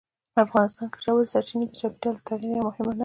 افغانستان کې ژورې سرچینې د چاپېریال د تغیر یوه مهمه نښه ده.